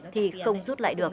thì không rút lại được